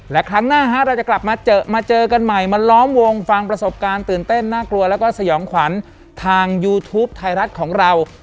และครั้งหน้าเราจะกลับมาเจอมาเจอกันใหม่มาล้อมวงฟังประสบการณ์ตื่นเต้นน่ากลัวแล้วก็สยองขวัญทางยูทูปไทยรัฐของเรา